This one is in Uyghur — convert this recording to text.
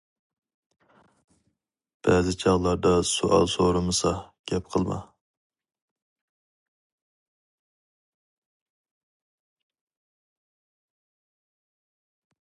بەزى چاغلاردا سوئال سورىمىسا، گەپ قىلما.